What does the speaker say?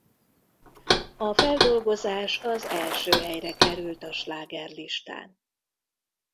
A feldolgozás az első helyre került a slágerlistán.